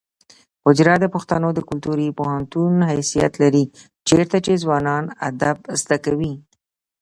حجره د پښتنو د کلتوري پوهنتون حیثیت لري چیرته چې ځوانان ادب زده کوي.